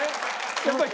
やっぱり。